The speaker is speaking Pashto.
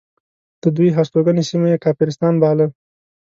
د دوی هستوګنې سیمه یې کافرستان باله.